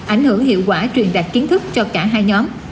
ảnh hưởng hiệu quả truyền đạt kiến thức cho cả hai nhóm